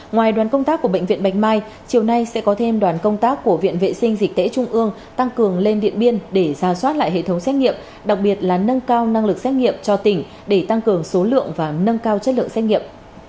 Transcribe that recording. ngoài đoàn công tác của bệnh viện bạch mai chiều nay sẽ có thêm đoàn công tác của viện vệ sinh dịch tễ trung ương tăng cường lên điện biên để ra soát lại hệ thống xét nghiệm đặc biệt là nâng cao năng lực xét nghiệm cho tỉnh để tăng cường số lượng và nâng cao chất lượng xét nghiệm